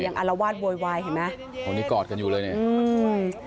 อย่างอลวาดโวยวายเห็นไหมพวกนี้กอดกันอยู่เลยเนี้ยอืม